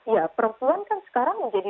ya perempuan kan sekarang menjadi